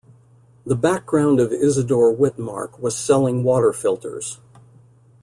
The background of Isadore Witmark was selling water filters.